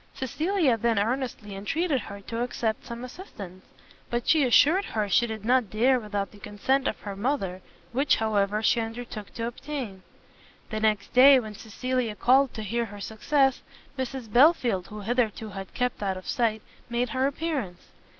Cecilia then earnestly entreated her to accept some assistance; but she assured her she did not dare without the consent of her mother, which, however, she undertook to obtain. The next day, when Cecilia called to hear her success, Mrs Belfield, who hitherto had kept out of sight, made her appearance.